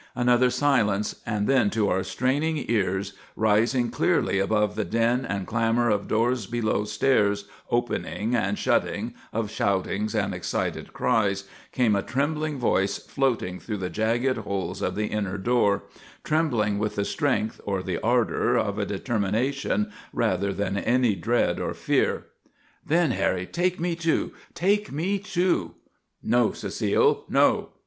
Another silence, and then to our straining ears, rising clearly above the din and clamour of doors below stairs opening and shutting, of shoutings and excited cries, came a trembling voice floating through the jagged holes of the inner door trembling with the strength or the ardour of a determination rather than any dread or fear: "Then, Harry, take me, too! Take me, too!" "_No, Cecile, no!